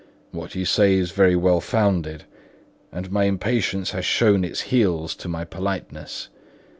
"What you say is very well founded; and my impatience has shown its heels to my politeness.